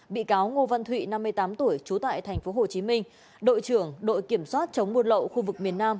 bị cáo ngô văn thụy năm mươi tám tuổi trú tại tp hcm đội trưởng đội kiểm soát chống buôn lậu khu vực miền nam